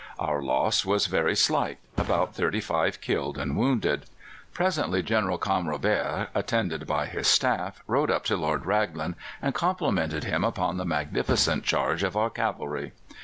Our loss was very slight about thirty five killed and wounded. Presently General Canrobert, attended by his staff, rode up to Lord Raglan, and complimented him upon the magnificent charge of our cavalry.